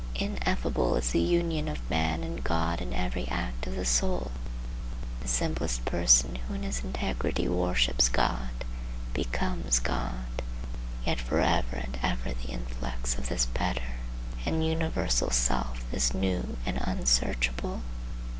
Ineffable is the union of man and God in every act of the soul. The simplest person who in his integrity worships God, becomes God; yet for ever and ever the influx of this better and universal self is new and unsearchable.